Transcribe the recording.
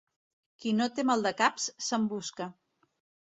Qui no té maldecaps, se'n busca.